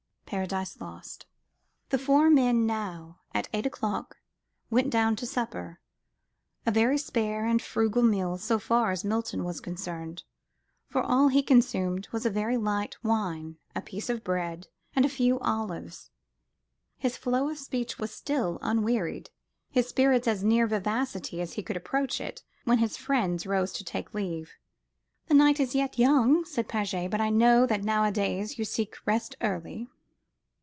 (Paradise Lost). I and my espoused hope indeed do tread through Eden." The four men now, at eight o'clock, went down to supper: a very spare and frugal meal, so far as Milton was concerned: for all he consumed was a little light wine, a piece of bread and a few olives. His flow of speech was still unwearied, his spirits as near vivacity as they could approach it, when his friends rose to take leave. "The night is yet young," said Paget, "but I know that nowadays you seek rest early."